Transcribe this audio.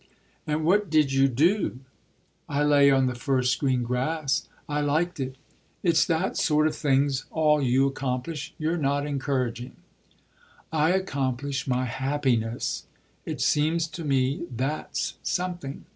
"And what did you do?" "I lay on the first green grass I liked it." "If that sort of thing's all you accomplish you're not encouraging." "I accomplish my happiness it seems to me that's something.